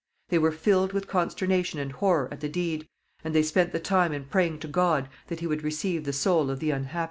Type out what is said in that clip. They were filled with consternation and horror at the deed, and they spent the time in praying to God that he would receive the soul of the unhappy victim.